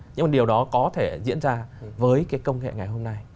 nhưng mà điều đó có thể diễn ra với cái công nghệ ngày hôm nay